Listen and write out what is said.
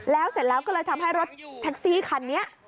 แล้วเสร็จแล้วก็เลยทำให้รถแท็กซี่คันนี้